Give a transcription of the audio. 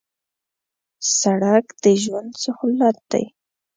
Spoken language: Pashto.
سړک د ژوند سهولت دی